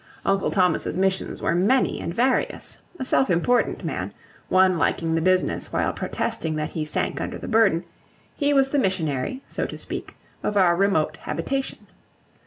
Uncle Thomas's missions were many and various; a self important man, one liking the business while protesting that he sank under the burden, he was the missionary, so to speak, of our remote habitation.